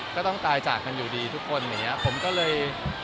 ก็ต้องตายจากกันอยู่ดีทุกคนอย่างเงี้ยผมก็เลย